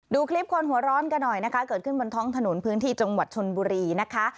ดูคลิปคนหัวร้อนกันหน่อยนะคะเกิดขึ้นบนท้องถนนพื้นที่จังหวัดชนบุรีนะคะ